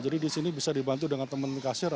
jadi di sini bisa dibantu dengan teman kasir